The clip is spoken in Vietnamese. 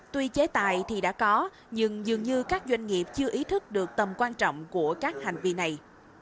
tuy chế tài thì đã có nhưng dường như các doanh nghiệp chưa ý thức được tầm quan trọng của các hành vi này